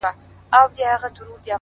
خیر دی قبر ته دي هم په یوه حال نه راځي،